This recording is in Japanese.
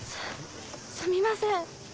すすみません。